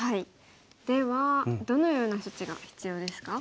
ではどのような処置が必要ですか？